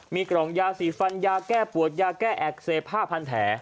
มีกล่องยาสีฟันยาแก้ปวดยาแก้แอกเสพผ้าพันแผล